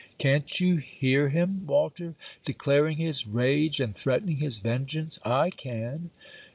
Can't you hear him, Walter, declaring his rage, and threatening his vengeance? I can.